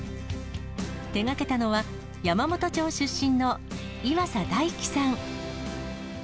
手がけたのは山元町出身の岩佐大輝さん。